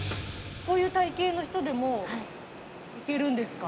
こういう体形の人でもいけるんですか？